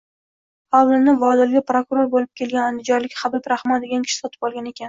Xovlini Vodilga prokuror bo’lib kelgan andijonlik Habib Rahmon degan kishi sotib olgan ekan.